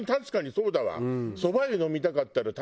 そうだね。